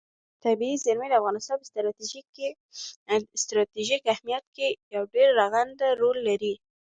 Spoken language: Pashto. طبیعي زیرمې د افغانستان په ستراتیژیک اهمیت کې یو ډېر رغنده رول لري.